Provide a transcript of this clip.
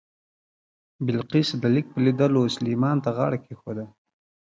بلقیس د لیک په لیدلو سلیمان ته غاړه کېښوده.